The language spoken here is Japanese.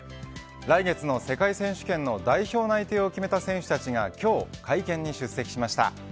来月の世界選手権の代表内定を決めた選手たちが今日、会見に出席しました。